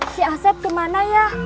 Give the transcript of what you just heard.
si asep kemana ya